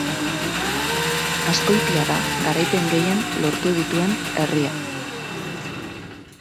Azkoitia da garaipen gehien lortu dituen herria.